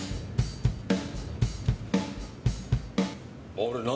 あれ何？